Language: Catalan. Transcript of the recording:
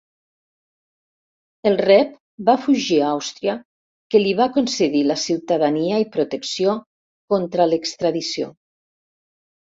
El Rebbe va fugir a Àustria, que li va concedir la ciutadania i protecció contra l'extradició.